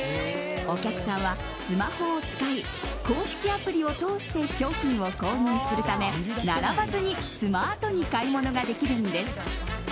お客さんはスマホを使い公式アプリを通して商品を購入するため並ばずにスマートに買い物ができるんです。